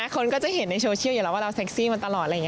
คนก็จะเห็นในโชว์เชียลอยู่แล้วว่าเราเซ็กซี่มาตลอด